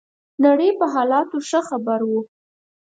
نړۍ په حالاتو ښه خبر وو.